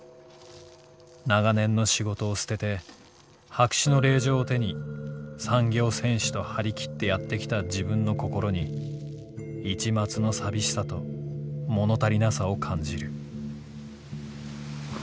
永年の仕事をすてて白紙の令状を手に産業戦士と張切ってやって来た自分の心に一抹のさびしさと物足りなさを感じる」。